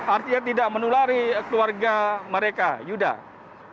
artinya tidak menulari keluarga mereka yuda